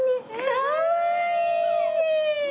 かわいいね！